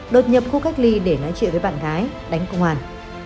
đột nhập khu cách ly để nói chuyện với bạn gái đánh công an